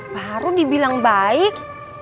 baru dibilang baik